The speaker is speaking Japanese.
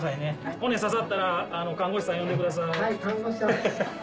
骨刺さったら看護師さん呼んでくださいハハハ。